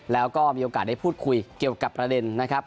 แล้วก็มีโอกาสได้พูดคุยเกี่ยวกับประเด็นนะครับ